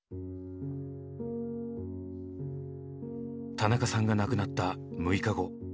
田中さんが亡くなった６日後。